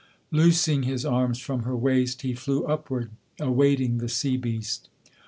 Loosing his arms from her waist he flew upward, awaiting the sea beast.